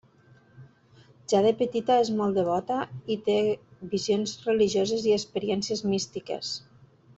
Ja de petita és molt devota i té visions religioses i experiències místiques.